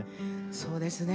そうですね。